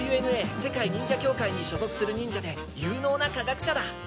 ＷＮＡ世界忍者協会に所属する忍者で有能な科学者だ。